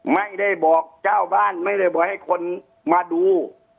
ไม่ได้บอกเจ้าบ้านไม่ได้บอกให้คนมาดู